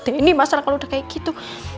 ini masalah kalau udah kayak gitu